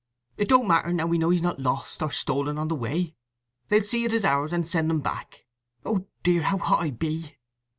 It don't matter now we know he's not lost or stolen on the way. They'll see it is ours, and send un back. Oh dear, how hot I be!"